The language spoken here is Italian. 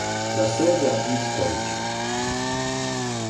La sede è a Miskolc.